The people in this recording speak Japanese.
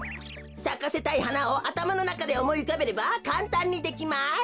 さかせたいはなをあたまのなかでおもいうかべればかんたんにできます。